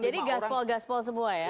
jadi gaspol gaspol semua ya